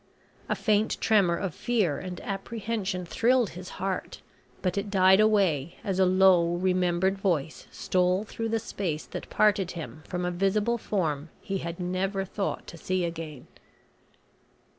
A faint tremor of fear and apprehension thrilled his heart, but it died away as a low remembered voice stole through the space that parted him from a visible form he had never thought to see again.